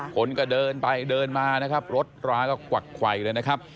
คนก็เดินไปเดินมานะครับรถราก็กวักไขวเลยนะครับ